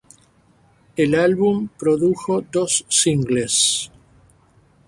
El álbum produjo dos singles.